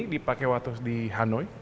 dipakai waktu di hanoi